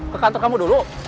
ke kantor kamu dulu